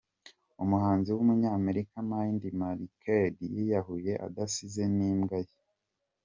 Umuhanzi w’umunyamerika Mindi makiredi yiyahuye adasize n’ imbwa ye